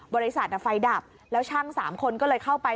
บริษัทไฟดับแล้วช่าง๓คนก็เลยเข้าไป